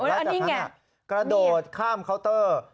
และจากนั้นกระโดดข้ามเคาน์เตอร์